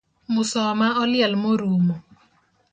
Musoma oliel morumo